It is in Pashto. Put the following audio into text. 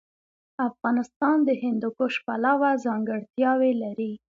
افغانستان د هندوکش پلوه ځانګړتیاوې لري.